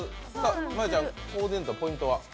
真悠ちゃんコーディネートのポイントは？